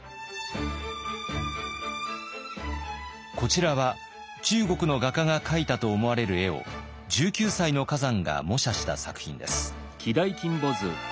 こちらは中国の画家が描いたと思われる絵を１９歳の崋山が模写した作品です。